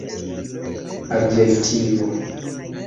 adjektivo